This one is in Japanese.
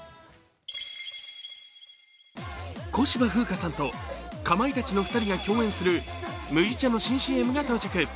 小芝風花さんとかまいたちの２人が共演する麦茶の新ＣＭが到着。